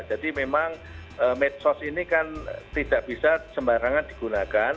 jadi memang medsos ini kan tidak bisa sembarangan digunakan